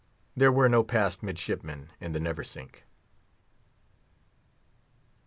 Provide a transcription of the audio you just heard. There were no passed midshipmen in the Neversink.